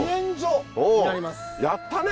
やったね。